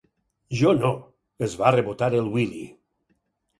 Jo no —es va rebotar el Willy—.